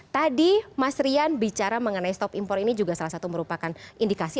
tadi mas rian bicara mengenai stop impor ini juga salah satu merupakan indikasi